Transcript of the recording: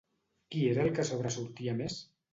Qui era el que sobresortia més?